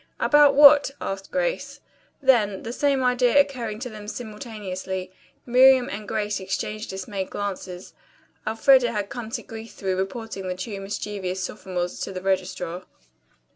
"About what?" asked Grace. Then, the same idea occurring to them simultaneously, Miriam and Grace exchanged dismayed glances. Elfreda had come to grief through reporting the two mischievous sophomores to the registrar.